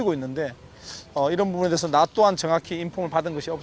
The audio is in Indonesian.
jadi saya sedang berada di luar negara dan mengalami banyak hal yang tidak baik